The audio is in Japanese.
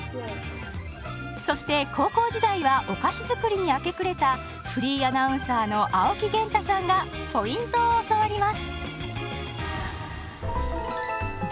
そして高校時代はお菓子作りに明け暮れたフリーアナウンサーの青木源太さんがポイントを教わります！